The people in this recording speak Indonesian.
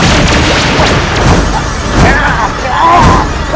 aku ingin membuatmu seperti itu